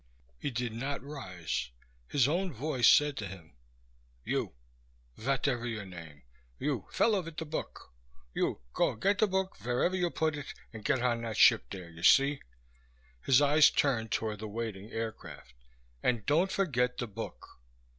He did not rise. His own voice said to him, "You. Votever you name, you fellow vit de book! You go get de book verever you pud it and get on dat ship dere, you see?" His eyes turned toward the waiting aircraft. "And don't forget de book!"